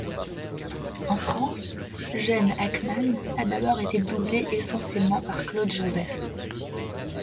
En France, Gene Hackman a d'abord été doublé essentiellement par Claude Joseph.